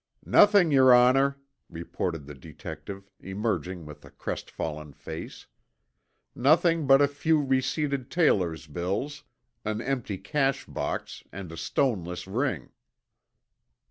"Nothing, your honor," reported the detective, emerging with a crestfallen face. "Nothing but a few receipted tailor's bills, an empty cash box and a stoneless ring."